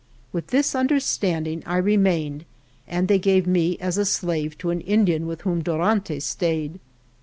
With this understanding I remained, and they gave me as a slave to an Indian with whom Dor antes stayed.